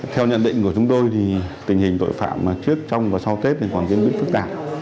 theo nhận định của chúng tôi tình hình tội phạm trước trong và sau tết còn biến đổi phức tạp